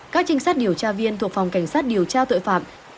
các trinh sát điều tra viên thuộc phòng cảnh sát điều tra tội phạm